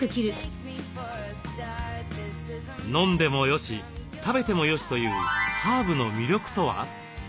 飲んでもよし食べてもよしというハーブの魅力とは？